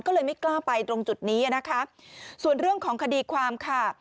ก็เลยไม่กล้าไปตรงจุดนี้นะคะส่วนเรื่องของคดีความค่ะ